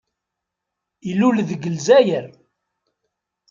Ilul deg Lezzayer.